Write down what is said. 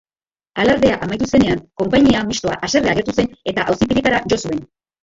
Alardea amaitu zenean, konpainia mistoa haserre agertu zen eta auzitegietara jo zuen.